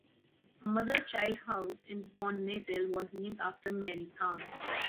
A mother-child house in Baunatal was named after Marie Calm.